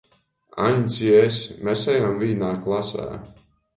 Aņds i es — mes ejam vīnā klasē.